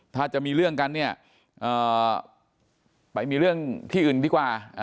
ถ้าจะมีเรื่องกันเนี่ยไปมีเรื่องที่อื่นดีกว่า